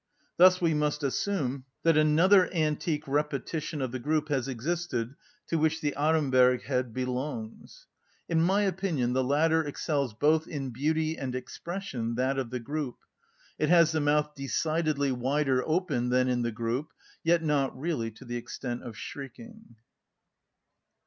Thus we must assume that another antique repetition of the group has existed to which the Aremberg head belonged. In my opinion the latter excels both in beauty and expression that of the group. It has the mouth decidedly wider open than in the group, yet not really to the extent of shrieking.